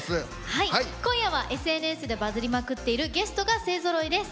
はい今夜はＳＮＳでバズりまくっているゲストが勢ぞろいです。